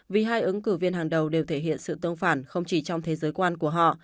vì hai ứng cử viên hàng đầu đều thể hiện sự tôn phản không chỉ trong thế giới quan của họ